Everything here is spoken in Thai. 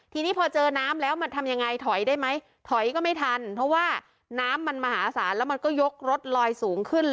ทีนี้พอเจอน้ำแล้วมันทำยังไงถอยได้ไหมถอยก็ไม่ทันเพราะว่าน้ำมันมหาศาลแล้วมันก็ยกรถลอยสูงขึ้น